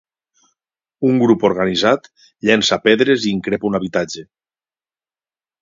Un grup organitzat llença pedres i increpa un habitatge.